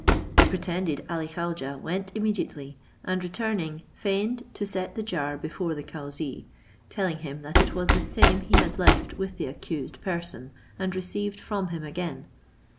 The pretended Ali Khaujeh went immediately, and returning, feigned to set a jar before the cauzee, telling him that it was the same he had left with the accused person, and received from him again.